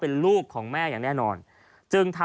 มันก็มีเนี่ยครับ